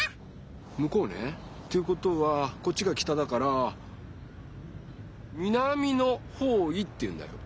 むこうね。ということはこっちが北だから南の方位っていうんだよ。